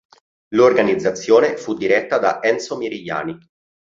L'organizzazione fu diretta da Enzo Mirigliani.